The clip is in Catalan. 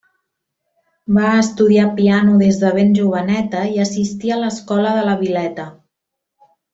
Va estudiar piano des de ben joveneta i assistí a l'escola de la Vileta.